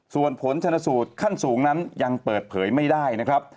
ส่วนผลชนสูตรขั้นสูงนั้นยังเปิดเผยไม่ได้นะครับ